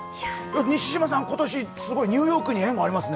西島さん、今年すごいニューヨークに縁がありますね。